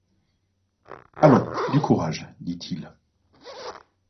Allons, du courage ! dit-il.